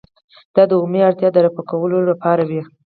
دا د عمومي اړتیا د رفع کولو لپاره وي.